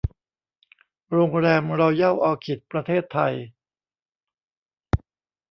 โรงแรมรอยัล ออคิด ประเทศไทย